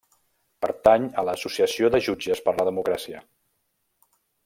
Pertany a l'associació de Jutges per a la Democràcia.